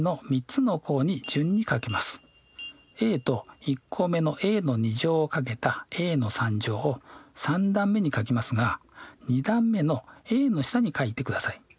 ａと１項目のａを掛けたａを３段目に書きますが２段目のａの下に書いてください。